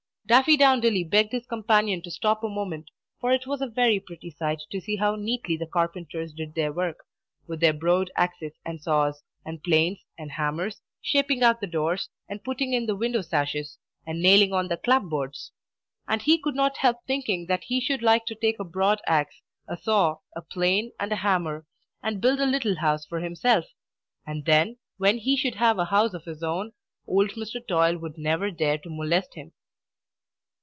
Daffydowndilly begged his companion to stop a moment; for it was a very pretty sight to see how neatly the carpenters did their work, with their broad axes and saws, and planes, and hammers, shaping out the doors, and putting in the window sashes, and nailing on the clap boards; and he could not help thinking that he should like to take a broad axe, a saw, a plane, and a hammer, and build a little house for himself. And then, when he should have a house of his own, old Mr. Toil would never dare to molest him.